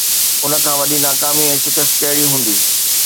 ان کان وڏي ناڪامي ۽ شڪست ڪهڙي هوندي؟